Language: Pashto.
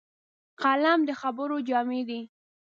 قلم د خبرو جامې دي